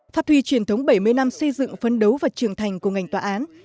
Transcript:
phát huy truyền thống bảy mươi năm xây dựng phấn đấu và trưởng thành của ngành tòa án